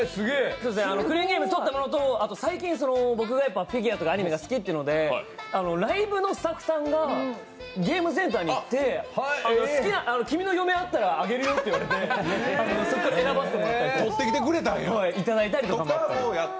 クレーンゲーム取ったものと最近僕がフィギュアとかアニメが好きっていうのでライブのスタッフさんがゲームセンターに行って、君の嫁あったらあげるよって言われてそこから選ばせてもらったんです。